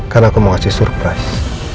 karena aku mau ngasih surprise